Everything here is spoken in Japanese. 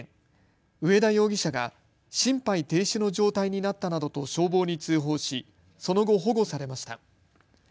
上田容疑者が心肺停止の状態になったなどと消防に通報しその後、保護されました。